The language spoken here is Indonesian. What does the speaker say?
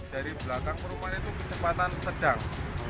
dari belakang perumahan itu kecepatan sedang